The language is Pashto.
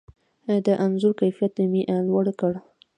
د انځور کیفیت مې لوړ کړ.